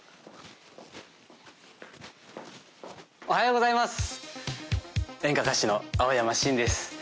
おはようございます演歌歌手の青山新です